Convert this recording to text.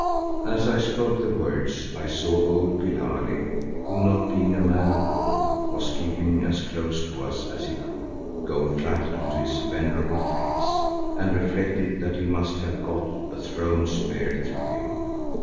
As I spoke the words I saw old Billali, who not being a man of war was keeping as close to us as he could, go flat onto his venerable face, and reflected that he must have got a thrown spear through him.